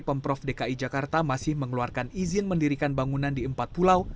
pemprov dki jakarta masih mengeluarkan izin mendirikan bangunan di empat pulau